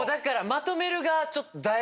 まとめる？